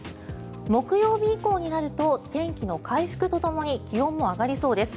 木曜日以降になると天気の回復とともに気温も上がりそうです。